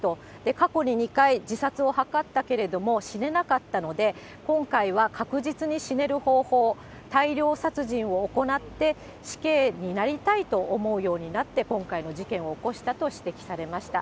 過去に２回、自殺を図ったけれども死ねなかったので、今回は確実に死ねる方法、大量殺人を行って死刑になりたいと思うようになって、今回の事件を起こしたと指摘されました。